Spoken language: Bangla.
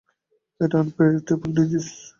এটা আনপ্রেডিকটেবল ডিজিজ।